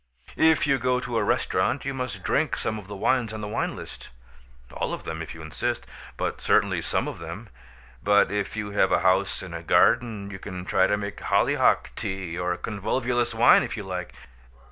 If you go to a restaurant you must drink some of the wines on the wine list, all of them if you insist, but certainly some of them. But if you have a house and garden you can try to make hollyhock tea or convolvulus wine if you like.